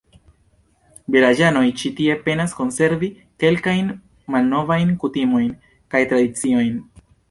Vilaĝanoj ĉi tie penas konservi kelkajn malnovajn kutimojn kaj tradiciojn.